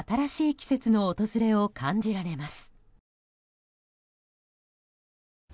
季節の訪れを感じられます。